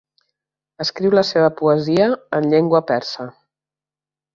Escriu la seva poesia en llengua persa.